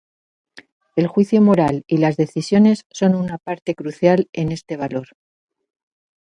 El juicio moral y las decisiones son una parte crucial en este valor.